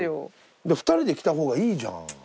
二人で着た方がいいじゃん。